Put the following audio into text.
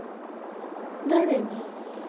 誰に？